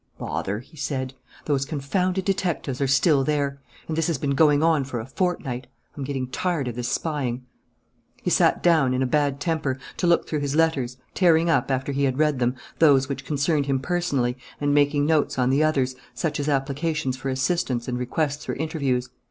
"Bother!" he said. "Those confounded detectives are still there. And this has been going on for a fortnight. I'm getting tired of this spying." He sat down, in a bad temper, to look through his letters, tearing up, after he had read them, those which concerned him personally and making notes on the others, such as applications for assistance and requests for interviews.